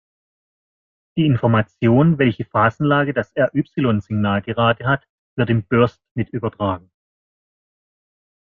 Die Information, welche Phasenlage das R-Y-Signal gerade hat, wird im Burst mit übertragen.